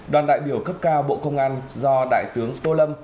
đoàn đại biểu cấp cao bộ công an do đại tướng tô lâm